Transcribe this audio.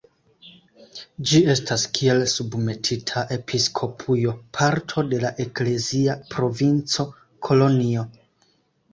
Ĝi estas kiel submetita episkopujo parto de la eklezia provinco Kolonjo.